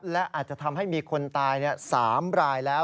และอาจจะทำให้มีคนตาย๓รายแล้ว